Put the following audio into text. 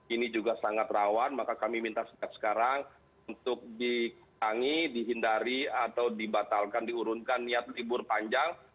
ini juga sangat rawan maka kami minta sejak sekarang untuk dikurangi dihindari atau dibatalkan diurunkan niat libur panjang